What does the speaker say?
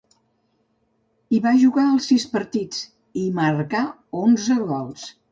Hi va jugar els sis partits, i hi marcà onze gols.